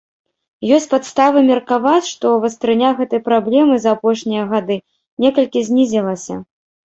Ёсць падставы меркаваць, што вастрыня гэтай праблемы за апошнія гады некалькі знізілася.